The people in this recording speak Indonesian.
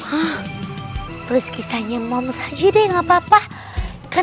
bahkan terus kisahnya momos aja deh gak apa apa